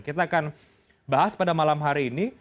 kita akan bahas pada malam hari ini